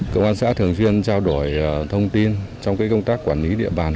công an xã thường xuyên trao đổi thông tin trong công tác quản lý địa bàn